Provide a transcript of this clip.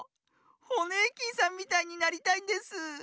ホネーキンさんみたいになりたいんです。